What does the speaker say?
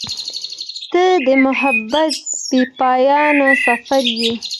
• ته د محبت بېپایانه سفر یې.